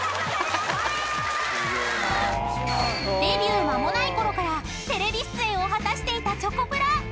［デビュー間もないころからテレビ出演を果たしていたチョコプラ。